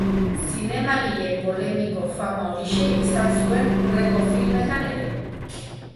Zinemagile polemiko fama horixe izan zuen hurrengo filmetan ere.